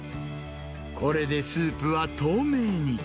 これでスープは透明に。